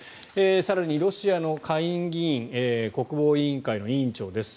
更に、ロシアの下院議員国防委員会の委員長です。